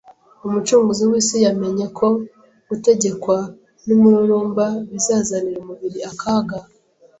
Umucunguzi w’isi yamenye ko gutegekwa n’umururumba bizazanira umubiri akaga